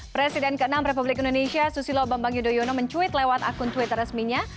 presiden ke enam republik indonesia susilo bambang yudhoyono mencuit lewat akun twitter resminya